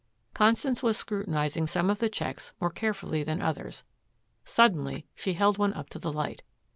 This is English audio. Constance was scrutinizing some of the checks more carefully than others. Suddenly she held one up to the light.